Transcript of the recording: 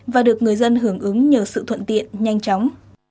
và được người dân hưởng ứng nhờ sự thuận tiện nhanh chóng